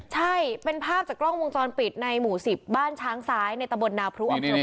ใช่เป็นภาพจากกล้องวงจรปิดในหมู่๑๐บ้านช้างซ้ายในตะบลนาพรุอำเภอเมือง